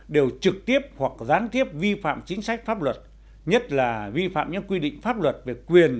đều trực tiếp hoặc gián tiếp vi phạm chính sách pháp luật nhất là vi phạm những quy định pháp luật về quyền